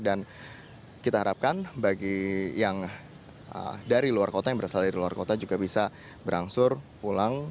dan kita harapkan bagi yang dari luar kota yang berasal dari luar kota juga bisa berangsur pulang